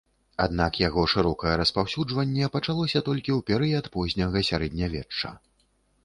Аднак яго шырокае распаўсюджванне пачалося толькі ў перыяд позняга сярэднявечча.